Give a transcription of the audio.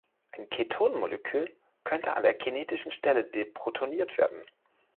Ein Ketonmolekül könnte an der „kinetischen“ Stelle deprotoniert werden.